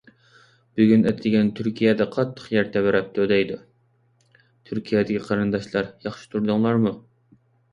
بۈگۈن ئەتىگەن تۈركىيەدە قاتتىق يەر تەۋرەپتۇ، دەيدۇ. تۈركىيەدىكى قېرىنداشلار، ياخشى تۇردۇڭلارمۇ؟